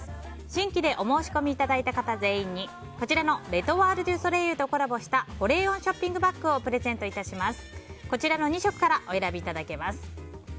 新規でお申し込みいただいた方全員に、こちらのレ・トワール・デュ・ソレイユとコラボした保冷温ショッピングバッグをプレゼント致します。